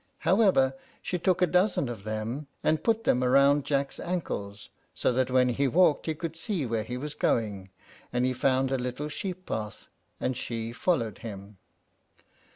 However, she took a dozen of them, and put them round Jack's ankles, so that when he walked he could see where he was going; and he found a little sheep path, and she followed him.